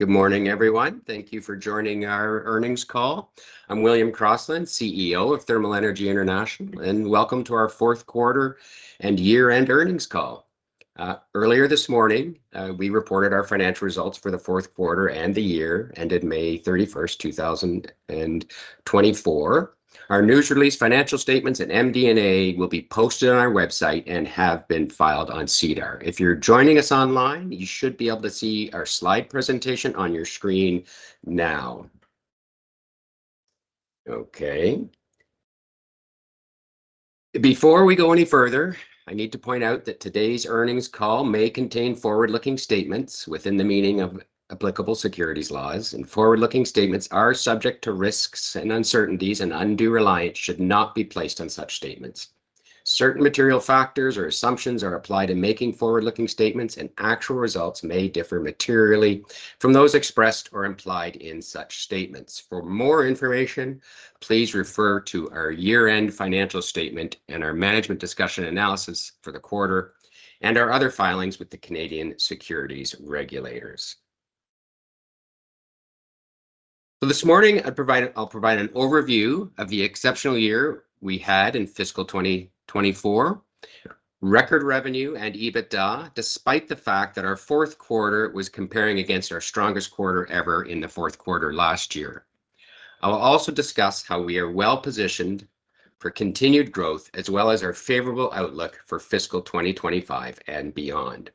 Good morning, everyone. Thank you for joining our earnings call. I'm William Crossland, CEO of Thermal Energy International, and welcome to our fourth quarter and year-end earnings call. Earlier this morning, we reported our financial results for the fourth quarter and the year, ended May thirty-first, two thousand and twenty-four. Our news release, financial statements, and MD&A will be posted on our website and have been filed on SEDAR. If you're joining us online, you should be able to see our slide presentation on your screen now. Okay. Before we go any further, I need to point out that today's earnings call may contain forward-looking statements within the meaning of applicable securities laws, and forward-looking statements are subject to risks and uncertainties, and undue reliance should not be placed on such statements. Certain material factors or assumptions are applied in making forward-looking statements, and actual results may differ materially from those expressed or implied in such statements. For more information, please refer to our year-end financial statement and our management's discussion and analysis for the quarter and our other filings with the Canadian Securities Regulators. This morning, I'll provide an overview of the exceptional year we had in fiscal twenty twenty-four. Record revenue and EBITDA, despite the fact that our fourth quarter was comparing against our strongest quarter ever in the fourth quarter last year. I will also discuss how we are well-positioned for continued growth, as well as our favorable outlook for fiscal twenty twenty-five and beyond.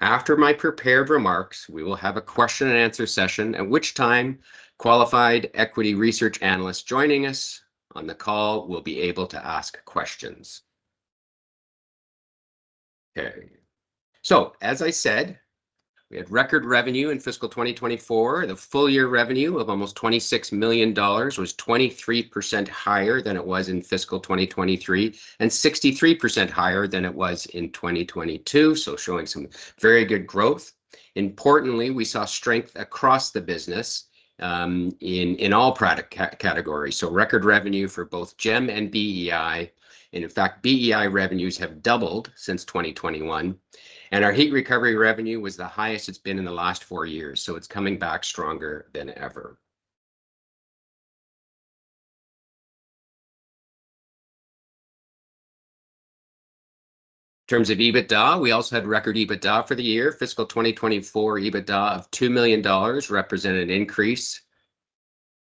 After my prepared remarks, we will have a question-and-answer session, at which time qualified equity research analysts joining us on the call will be able to ask questions. Okay, so as I said, we had record revenue in fiscal 2024. The full-year revenue of almost 26 million dollars was 23% higher than it was in fiscal 2023 and 63% higher than it was in 2022, so showing some very good growth. Importantly, we saw strength across the business in all product categories, so record revenue for both GEM and uncertain. And in fact, uncertain revenues have doubled since 2021, and our heat recovery revenue was the highest it's been in the last four years, so it's coming back stronger than ever. In terms of EBITDA, we also had record EBITDA for the year. Fiscal 2024 EBITDA of 2 million dollars represent an increase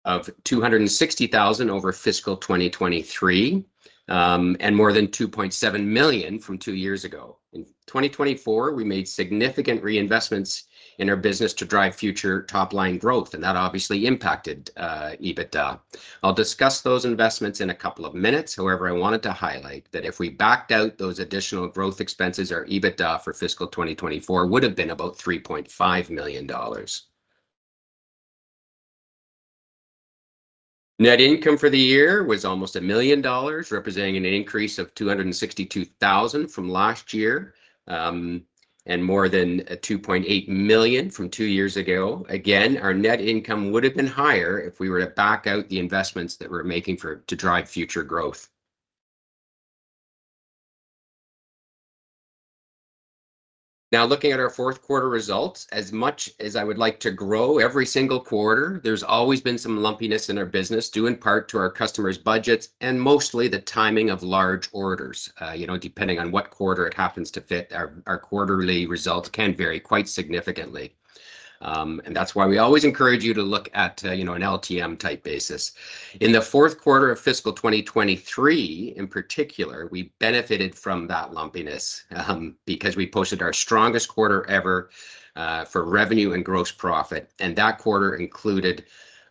of 260,000 over fiscal 2023, and more than 2.7 million from two years ago. In 2024, we made significant reinvestments in our business to drive future top-line growth, and that obviously impacted EBITDA. I'll discuss those investments in a couple of minutes. However, I wanted to highlight that if we backed out those additional growth expenses, our EBITDA for fiscal 2024 would have been about 3.5 million dollars. Net income for the year was almost 1 million dollars, representing an increase of 262,000 from last year, and more than 2.8 million from two years ago. Again, our net income would have been higher if we were to back out the investments that we're making to drive future growth. Now, looking at our fourth quarter results, as much as I would like to grow every single quarter, there's always been some lumpiness in our business, due in part to our customers' budgets and mostly the timing of large orders. You know, depending on what quarter it happens to fit, our quarterly results can vary quite significantly. And that's why we always encourage you to look at, you know, an LTM-type basis. In the fourth quarter of fiscal twenty twenty-three, in particular, we benefited from that lumpiness, because we posted our strongest quarter ever, for revenue and gross profit, and that quarter included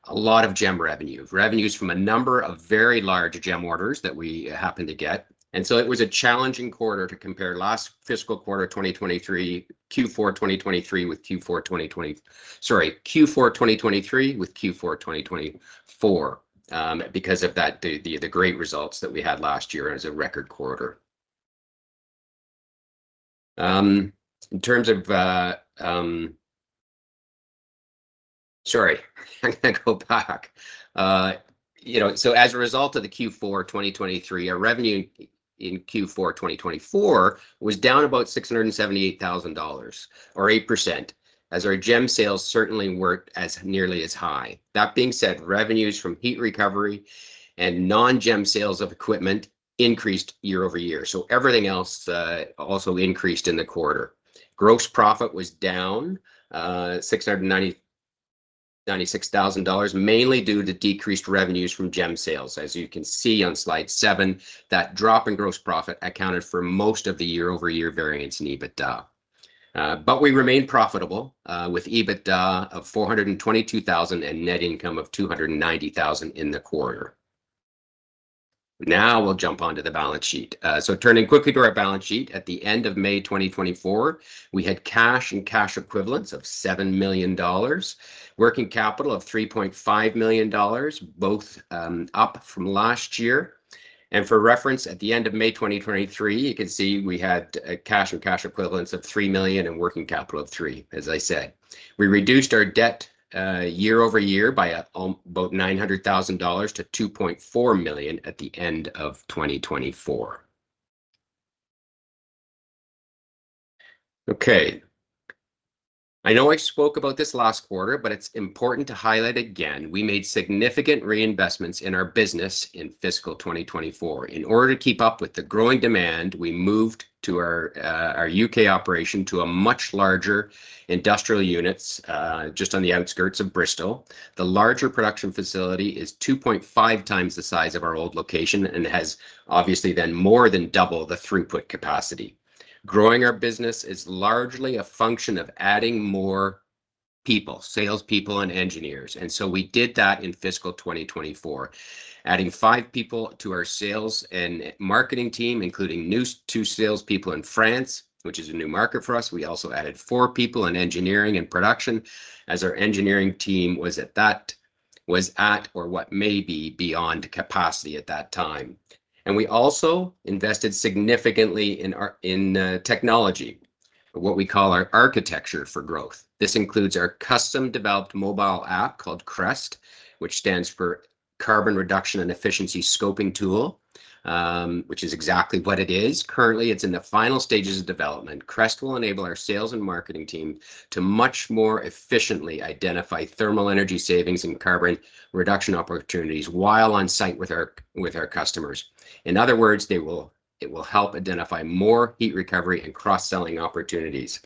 a lot of GEM revenue, revenues from a number of very large GEM orders that we happened to get. It was a challenging quarter to compare last fiscal quarter, twenty twenty-three, Q4 2023, with Q4 2024, because of that, the great results that we had last year as a record quarter. You know, so as a result of the Q4 2023, our revenue in Q4 2024 was down about 678,000 dollars, or 8%, as our GEM sales certainly weren't as nearly as high. That being said, revenues from heat recovery and non-GEM sales of equipment increased year over year, so everything else also increased in the quarter. Gross profit was down 696,000 dollars, mainly due to decreased revenues from GEM sales. As you can see on slide 7, that drop in gross profit accounted for most of the year-over-year variance in EBITDA, but we remained profitable with EBITDA of 422,000 and net income of 290,000 in the quarter. Now we'll jump onto the balance sheet, so turning quickly to our balance sheet, at the end of May 2024, we had cash and cash equivalents of 7 million dollars, working capital of 3.5 million dollars, both up from last year, and for reference, at the end of May 2023, you can see we had cash or cash equivalents of 3 million and working capital of 3 million, as I said. We reduced our debt year over year by about 900,000 dollars to 2.4 million at the end of 2024. Okay, I know I spoke about this last quarter, but it's important to highlight again. We made significant reinvestments in our business in fiscal 2024. In order to keep up with the growing demand, we moved our U.K. operation to a much larger industrial unit just on the outskirts of Bristol. The larger production facility is 2.5 times the size of our old location and has obviously then more than double the throughput capacity. Growing our business is largely a function of adding more people, salespeople and engineers, and so we did that in fiscal 2024, adding five people to our sales and marketing team, including two new salespeople in France, which is a new market for us. We also added four people in engineering and production, as our engineering team was at or beyond capacity at that time, and we also invested significantly in our technology, what we call our architecture for growth. This includes our custom-developed mobile app called CREST, which stands for Carbon Reduction and Efficiency Scoping Tool, which is exactly what it is. Currently, it's in the final stages of development. CREST will enable our sales and marketing team to much more efficiently identify thermal energy savings and carbon reduction opportunities while on site with our customers. In other words, it will help identify more heat recovery and cross-selling opportunities.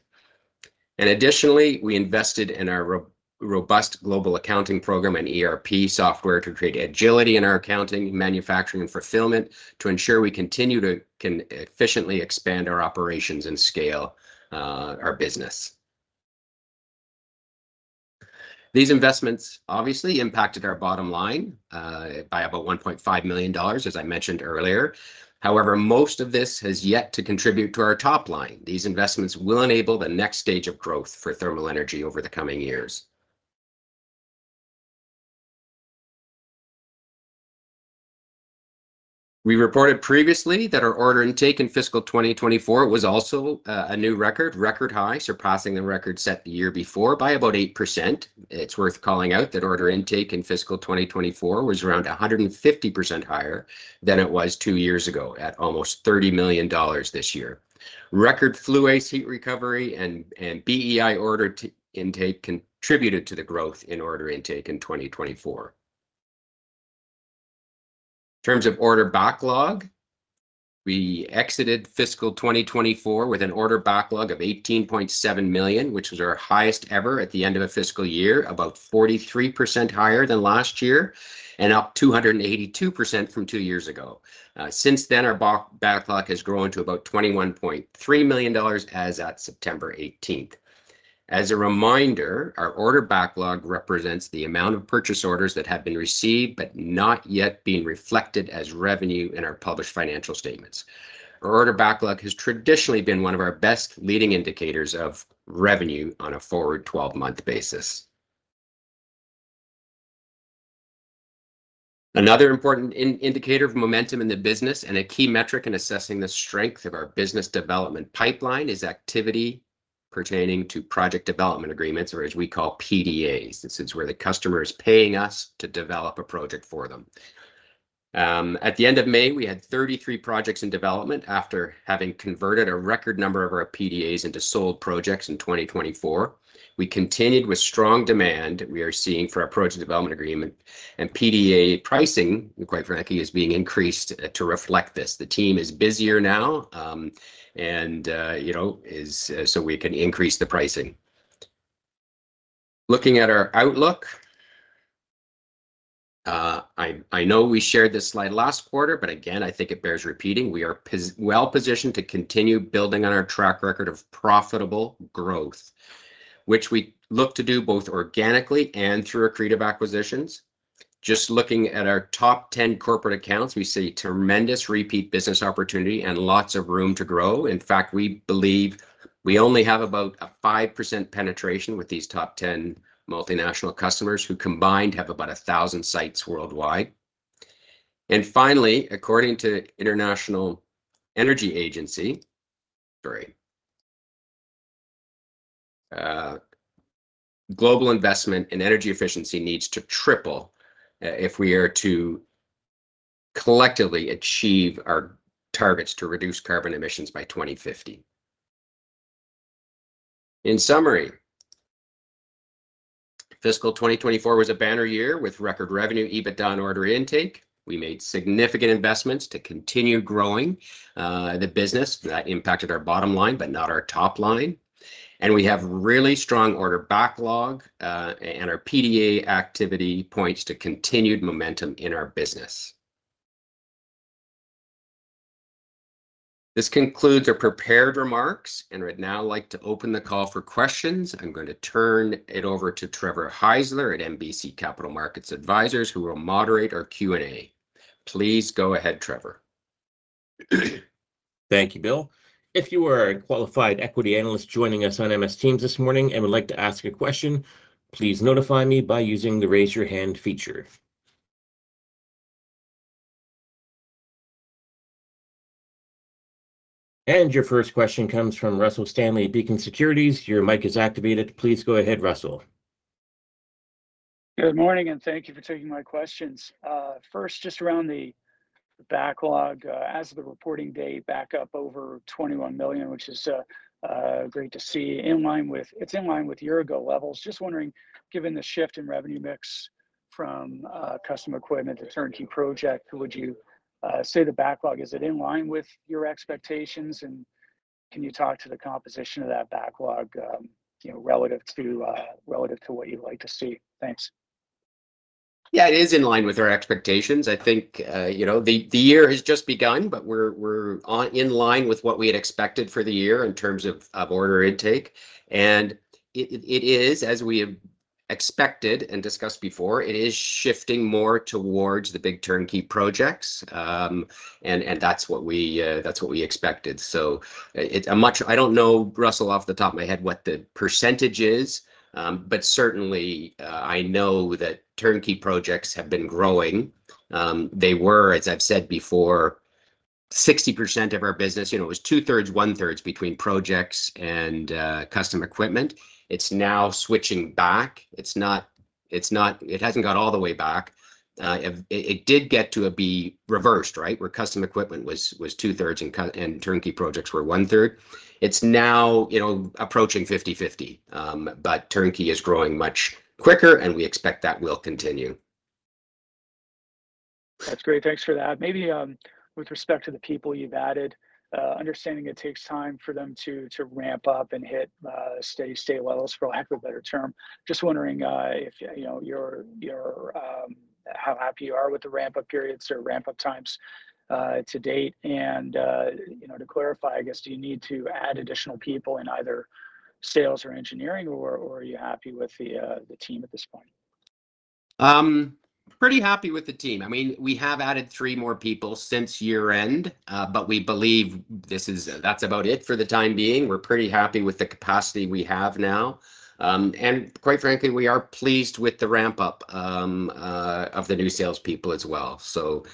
Additionally, we invested in our robust global accounting program and ERP software to create agility in our accounting, manufacturing, and fulfillment to ensure we continue to efficiently expand our operations and scale our business. These investments obviously impacted our bottom line by about 1.5 million dollars, as I mentioned earlier. However, most of this has yet to contribute to our top line. These investments will enable the next stage of growth for Thermal Energy over the coming years. We reported previously that our order intake in fiscal 2024 was also a new record high, surpassing the record set the year before by about 8%. It's worth calling out that order intake in fiscal 2024 was around 150% higher than it was two years ago, at almost 30 million dollars this year. Record flue gas heat recovery and uncertain order intake contributed to the growth in order intake in twenty twenty-four. In terms of order backlog, we exited fiscal twenty twenty-four with an order backlog of 18.7 million, which was our highest ever at the end of a fiscal year, about 43% higher than last year and up 282% from two years ago. Since then, our backlog has grown to about 21.3 million dollars as at September eighteenth. As a reminder, our order backlog represents the amount of purchase orders that have been received but not yet been reflected as revenue in our published financial statements. Our order backlog has traditionally been one of our best leading indicators of revenue on a forward twelve-month basis. Another important indicator of momentum in the business and a key metric in assessing the strength of our business development pipeline is activity pertaining to project development agreements, or as we call PDAs. This is where the customer is paying us to develop a project for them. At the end of May, we had 33 projects in development after having converted a record number of our PDAs into sold projects in 2024. We continued with strong demand we are seeing for our project development agreement, and PDA pricing, quite frankly, is being increased to reflect this. The team is busier now, and, you know, so we can increase the pricing. Looking at our outlook, I know we shared this slide last quarter, but again, I think it bears repeating. We are well positioned to continue building on our track record of profitable growth, which we look to do both organically and through accretive acquisitions. Just looking at our top ten corporate accounts, we see tremendous repeat business opportunity and lots of room to grow. In fact, we believe we only have about a 5% penetration with these top ten multinational customers, who combined, have about 1,000 sites worldwide. And finally, according to the International Energy Agency, global investment in energy efficiency needs to triple, if we are to collectively achieve our targets to reduce carbon emissions by 2050. In summary, fiscal 2024 was a banner year with record revenue, EBITDA, and order intake. We made significant investments to continue growing the business. That impacted our bottom line, but not our top line. We have really strong order backlog, and our PDA activity points to continued momentum in our business. This concludes our prepared remarks, and I'd now like to open the call for questions. I'm going to turn it over to Trevor Heisler at MBC Capital Markets Advisors, who will moderate our Q&A. Please go ahead, Trevor. Thank you, Bill. If you are a qualified equity analyst joining us on MS Teams this morning and would like to ask a question, please notify me by using the Raise Your Hand feature. And your first question comes from Russell Stanley at Beacon Securities. Your mic is activated. Please go ahead, Russell.... Good morning, and thank you for taking my questions. First, just around the backlog, as of the reporting date, back up over 21 million, which is great to see. It's in line with year-ago levels. Just wondering, given the shift in revenue mix from custom equipment to turnkey project, would you say the backlog is in line with your expectations? And can you talk to the composition of that backlog, you know, relative to what you'd like to see? Thanks. Yeah, it is in line with our expectations. I think, you know, the year has just begun, but we're in line with what we had expected for the year in terms of order intake. And it is, as we have expected and discussed before, it is shifting more towards the big turnkey projects. And that's what we expected. So it's a much... I don't know, Russell, off the top of my head, what the percentage is, but certainly I know that turnkey projects have been growing. They were, as I've said before, 60% of our business. You know, it was two-thirds, one-thirds between projects and custom equipment. It's now switching back. It's not, it hasn't gone all the way back. It did get to be reversed, right? Where custom equipment was two-thirds and turnkey projects were one-third. It's now, you know, approaching fifty-fifty, but turnkey is growing much quicker, and we expect that will continue. That's great. Thanks for that. Maybe, with respect to the people you've added, understanding it takes time for them to ramp up and hit steady state levels, for lack of a better term. Just wondering, if you know how happy you are with the ramp-up periods or ramp-up times to date? And, you know, to clarify, I guess, do you need to add additional people in either sales or engineering, or are you happy with the team at this point? Pretty happy with the team. I mean, we have added three more people since year-end, but we believe that's about it for the time being. We're pretty happy with the capacity we have now, and quite frankly, we are pleased with the ramp-up of the new salespeople as well, so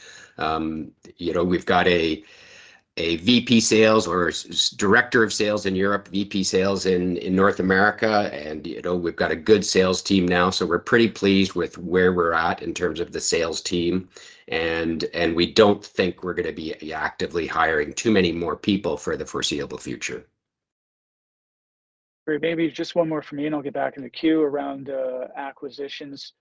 you know, we've got a VP sales or director of sales in Europe, VP sales in North America, and, you know, we've got a good sales team now, so we're pretty pleased with where we're at in terms of the sales team, and we don't think we're gonna be actively hiring too many more people for the foreseeable future. Great. Maybe just one more from me, and I'll get back in the queue. Around acquisitions,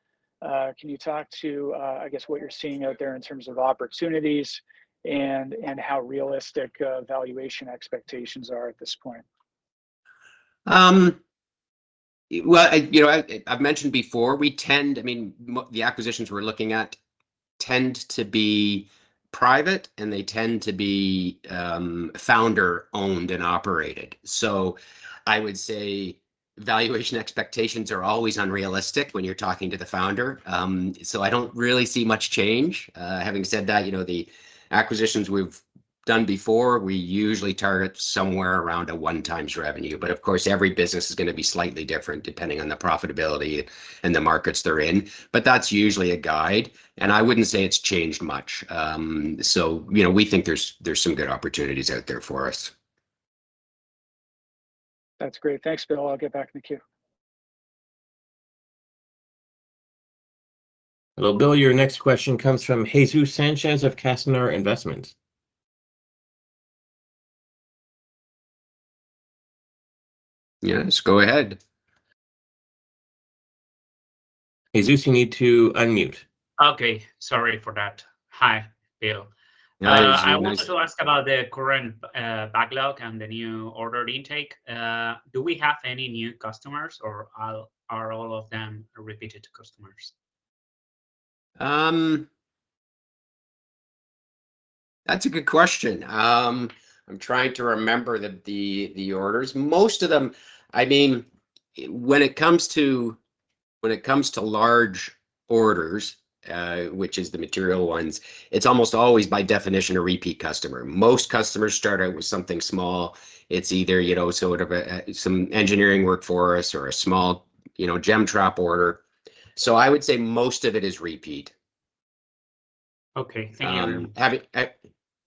can you talk to, I guess, what you're seeing out there in terms of opportunities and how realistic valuation expectations are at this point? Well, you know, I've mentioned before, we tend. I mean, the acquisitions we're looking at tend to be private, and they tend to be founder-owned and operated. So I would say valuation expectations are always unrealistic when you're talking to the founder. So I don't really see much change. Having said that, you know, the acquisitions we've done before, we usually target somewhere around a one times revenue. But, of course, every business is gonna be slightly different, depending on the profitability and the markets they're in. But that's usually a guide, and I wouldn't say it's changed much. So, you know, we think there's some good opportunities out there for us. That's great. Thanks, Bill. I'll get back in the queue. Hello, Bill, your next question comes from Jesus Sanchez of Castellar Investments. Yes, go ahead. Jesus, you need to unmute. Okay. Sorry for that. Hi, Bill. Hi, Jesus. I wanted to ask about the current backlog and the new order intake. Do we have any new customers, or are all of them repeated customers? That's a good question. I'm trying to remember the orders. Most of them, I mean, when it comes to large orders, which is the material ones, it's almost always, by definition, a repeat customer. Most customers start out with something small. It's either, you know, sort of a some engineering work for us or a small, you know, GEM trap order. So I would say most of it is repeat. Okay. Thank you. Having,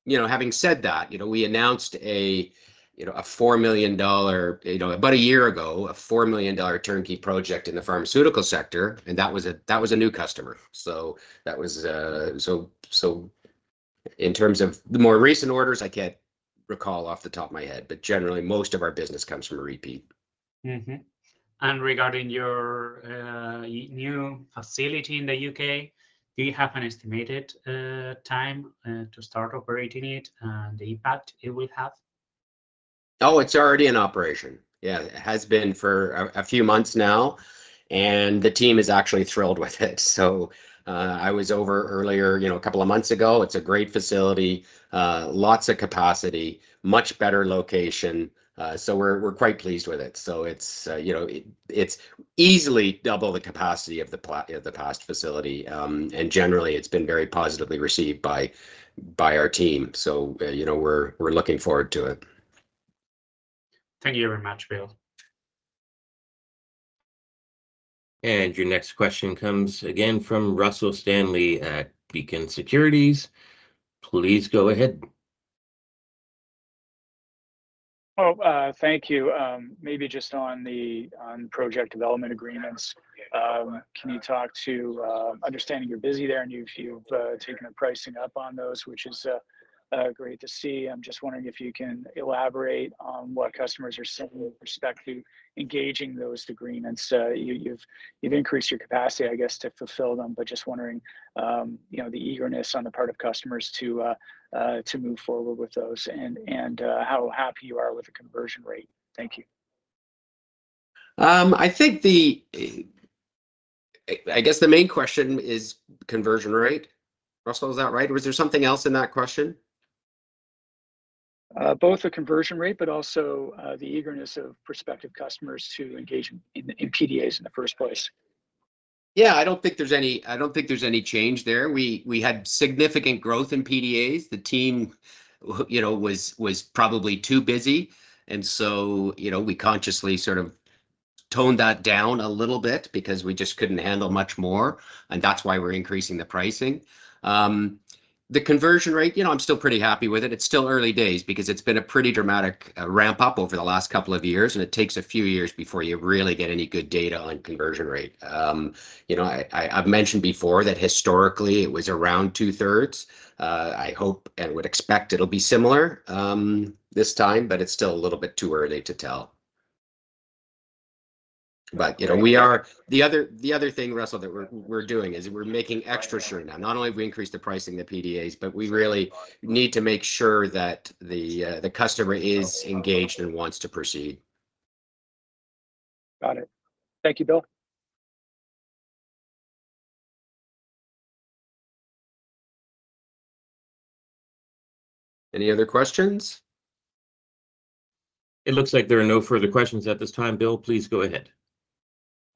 you know, having said that, you know, we announced a, you know, a 4 million dollar... You know, about a year ago, a 4 million dollar turnkey project in the pharmaceutical sector, and that was a, that was a new customer. So that was... So, so in terms of the more recent orders, I can't recall off the top of my head, but generally, most of our business comes from a repeat. Mm-hmm. And regarding your new facility in the UK, do you have an estimated time to start operating it, and the impact it will have? Oh, it's already in operation. Yeah, it has been for a few months now, and the team is actually thrilled with it. So, I was over earlier, you know, a couple of months ago. It's a great facility, lots of capacity, much better location, so we're quite pleased with it. So it's, you know, it's easily double the capacity of the past facility. And generally, it's been very positively received by our team, so, you know, we're looking forward to it. Thank you very much, Bill. Your next question comes again from Russell Stanley at Beacon Securities. Please go ahead.... Oh, thank you. Maybe just on the project development agreements, can you talk, understanding you're busy there, and you've taken a pricing up on those, which is great to see. I'm just wondering if you can elaborate on what customers are saying with respect to engaging those agreements. You've increased your capacity, I guess, to fulfill them, but just wondering, you know, the eagerness on the part of customers to move forward with those and how happy you are with the conversion rate. Thank you. I guess the main question is conversion rate. Russell, is that right, or was there something else in that question? Both the conversion rate, but also, the eagerness of prospective customers to engage in PDAs in the first place. Yeah, I don't think there's any change there. We had significant growth in PDAs. The team, you know, was probably too busy, and so, you know, we consciously sort of toned that down a little bit because we just couldn't handle much more, and that's why we're increasing the pricing. The conversion rate, you know, I'm still pretty happy with it. It's still early days because it's been a pretty dramatic ramp-up over the last couple of years, and it takes a few years before you really get any good data on conversion rate. You know, I've mentioned before that historically it was around two-thirds. I hope and would expect it'll be similar this time, but it's still a little bit too early to tell. But, you know, the other thing, Russell, that we're doing is we're making extra sure now. Not only have we increased the pricing of the PDAs, but we really need to make sure that the customer is engaged and wants to proceed. Got it. Thank you, Bill. Any other questions? It looks like there are no further questions at this time, Bill. Please go ahead.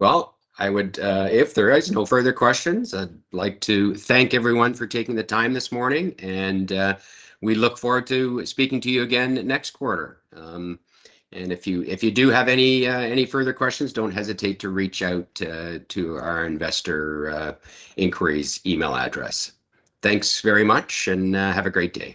I would if there is no further questions. I'd like to thank everyone for taking the time this morning, and we look forward to speaking to you again next quarter. And if you do have any further questions, don't hesitate to reach out to our investor inquiries email address. Thanks very much, and have a great day.